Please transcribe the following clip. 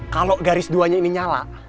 kalau garis duanya ini nyala